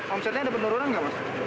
omsetnya ada penurunan nggak mas